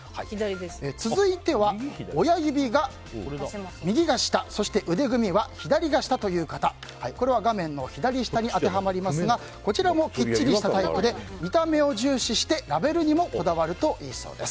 続いては親指が右が下腕組は左が下の方これは画面の左下に当てはまりますがこちらもきっちりしたタイプで見た目を重視してラベルにもこだわるといいそうです。